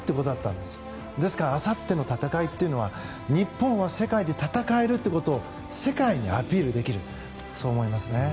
ですから、あさっての戦いは日本は世界で戦えるということを世界にアピールできるそう思いますね。